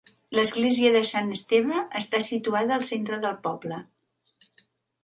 L'església de Sant Esteve està situada al centre del poble.